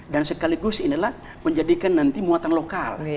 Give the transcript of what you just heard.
dan sekaligus inilah menjadikan nanti muatan lokal